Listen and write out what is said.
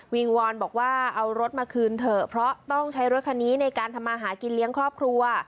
วอนบอกว่าเอารถมาคืนเถอะเพราะต้องใช้รถคันนี้ในการทำมาหากินเลี้ยงครอบครัว